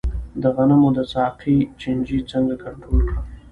د غنمو د ساقې چینجی څنګه کنټرول کړم؟